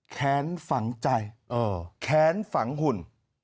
แขนฝังใจแขนฝังหุ่น